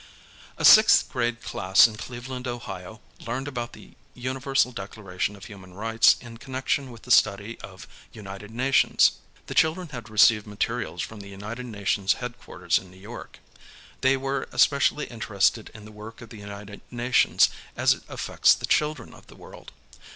┬╗* ŌÖ" A sixth grade class in Cleveland. Ohio, learned about the Iniversal Declaration of Human Rights in connection with the study of United Nations. The children had received materials from the United Nations Headquarters in New York. They were especially interested in the work of the United Nations as it affects the children of the world.